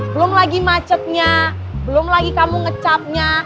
belum lagi macetnya belum lagi kamu ngecapnya